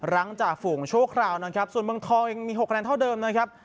หลังจากฝูงชั่วคราวนะครับส่วนเมืองทองยังมี๖คะแนนเท่าเดิมนะครับ